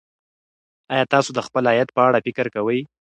ایا تاسو د خپل عاید په اړه فکر کوئ.